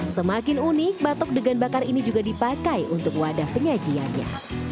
semakin unik batok degan bakar ini juga dipakai untuk wadah penyajiannya